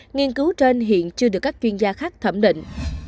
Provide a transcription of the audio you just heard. nghiên cứu trên hiện chưa được các chuyên gia khác thẩm định